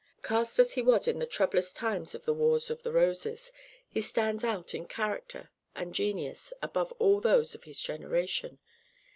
Cast as he was in the troublous times of the Wars of the Roses, he stands out in character and genius above all those of his generation.